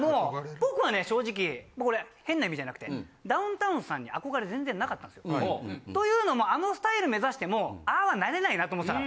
僕はね正直これ変な意味じゃなくてダウンタウンさんに憧れ全然なかったんですよ。というのもあのスタイル目指してもああはなれないなと思ってたから。